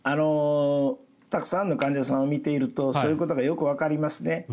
たくさんの患者さんを診ているとそういうことがよくわかりますね。